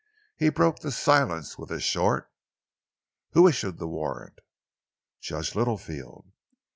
He broke the silence with a short: "Who issued the warrant?" "Judge Littlefield."